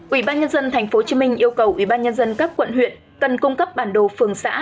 ủy ban nhân dân tp hcm yêu cầu ủy ban nhân dân các quận huyện cần cung cấp bản đồ phường xã